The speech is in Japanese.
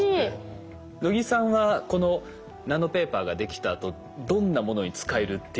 能木さんはこのナノペーパーができたあとどんなものに使えるっていうふうに？